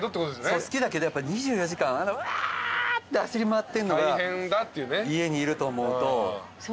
そう好きだけどやっぱ２４時間ワーッて走り回ってんのが家にいると思うと。